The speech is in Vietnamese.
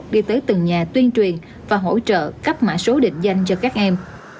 đi tới từng nhà tuyên truyền và hỗ trợ cấp mã số định danh cho các em